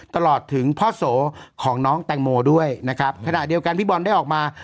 ตลอดถึงพ่อโสของน้องแตงโมด้วยนะครับขณะเดียวกันพี่บอลได้ออกมา